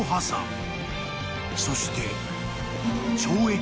［そして］